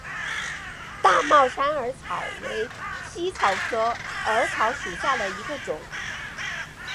大帽山耳草为茜草科耳草属下的一个种。